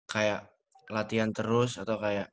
kayak latihan terus atau kayak